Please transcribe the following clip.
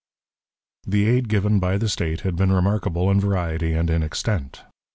The aid given by the state had been remarkable in variety and in extent.